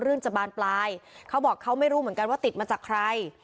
เรื่องจะบานปลายเขาบอกเขาไม่รู้เหมือนกันว่าติดมาจากใคร